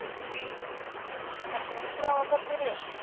わたしが一番分かってるよ。